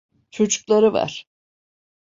Çocukları var.